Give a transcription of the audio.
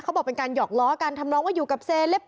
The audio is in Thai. เขาบอกเป็นการหยอกล้อกันทำน้องอยู่กับ